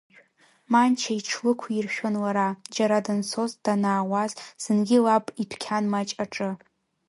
Манча иҽлықәиршәон лара, џьара данцоз, данаауаз, зынгьы лаб идәқьан маҷ аҿы.